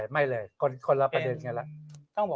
ไม่เลยคนละประเด็นแบบนี้ละ